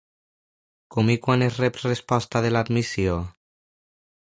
Com i quan es rep resposta de l'administració?